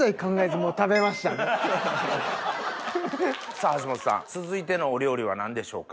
さぁ橋本さん続いてのお料理は何でしょうか？